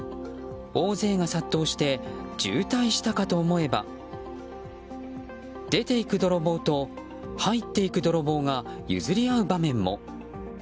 大勢が殺到して渋滞したかと思えば出て行く泥棒と入っていく泥棒が譲り合う場面も。